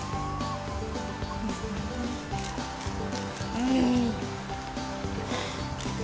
うん。